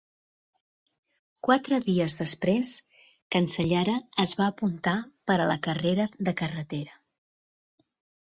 Quatre dies després, Cancellara es va apuntar per a la carrera de carretera.